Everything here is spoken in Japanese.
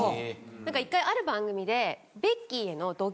なんか１回ある番組で。